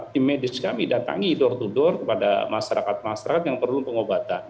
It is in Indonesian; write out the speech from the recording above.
tim medis kami datangi door to door kepada masyarakat masyarakat yang perlu pengobatan